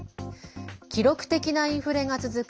記録的なインフレが続く